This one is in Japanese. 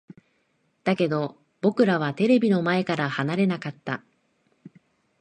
だけど、僕らはテレビの前から離れなかった。